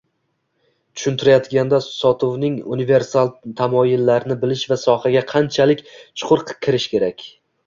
tushuntirayotganda sotuvning universal tamoyillarini bilish va sohaga qanchalik chuqur kirish kerak?